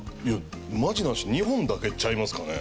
マジな話日本だけちゃいますかね？